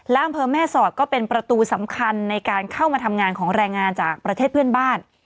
และอำเภอแม่สอดก็เป็นประตูสำคัญในการเข้ามาทำงานของแรงงานจากประเทศเพื่อนบ้าน